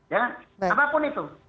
ya apapun itu